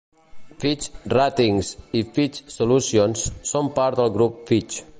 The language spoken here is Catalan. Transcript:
Fitch Ratings i Fitch Solutions són part del Grup Fitch.